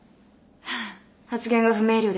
発言が不明瞭です。